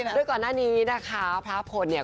ด้วยก่อนหน้านี้นะคะพระพลภูนิภาษณ์เนี่ย